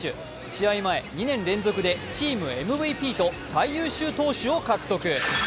試合前、２年連続でチームＭＶＰと最優秀選手を獲得。